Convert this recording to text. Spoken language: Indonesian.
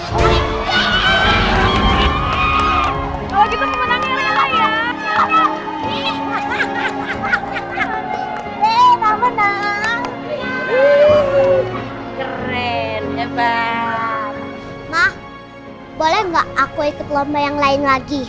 boleh dong sayang tadi kan kamu udah ikut lomba yang lain